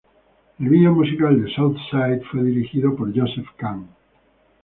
El video musical de "South side" fue dirigido por Joseph Kahn.